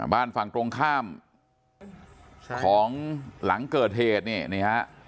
บ้านฝั่งตรงข้ามของหลังเกิดเหตุเนี่ยนี่ฮะ